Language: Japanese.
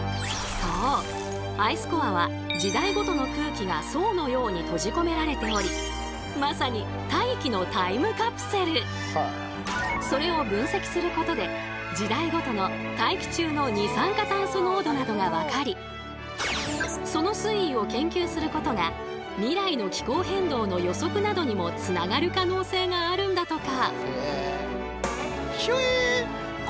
アイスコアは時代ごとの空気が層のように閉じ込められておりまさにそれを分析することでその推移を研究することが未来の気候変動の予測などにもつながる可能性があるんだとか！